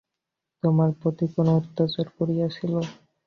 তোমার প্রতি কোনো অত্যাচার করিয়াছিল?